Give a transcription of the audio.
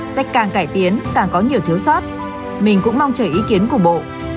sách càng cải tiến càng có nhiều thiếu sót mình cũng mong chờ ý kiến của bộ